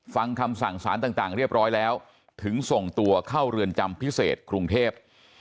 ฟังคำสั่งสารต่างเรียบร้อยแล้วถึงส่งตัวเข้าเรือนจำพิเศษกรุงเทพ